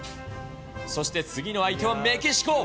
そして次の相手はメキシコ。